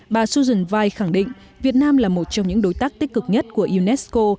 bà susan vai khẳng định việt nam là một trong những đối tác tích cực nhất của unesco